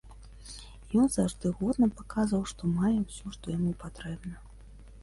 Ён заўжды годна паказваў, што мае ўсё, што яму патрэбна.